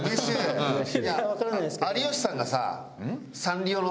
いや有吉さんがさ。